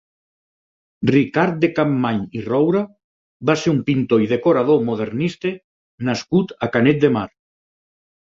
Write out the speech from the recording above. Ricard de Capmany i Roura va ser un pintor i decorador modernista nascut a Canet de Mar.